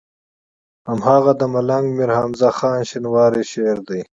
هماغه د ملنګ مير حمزه خان شينواري شعر دی.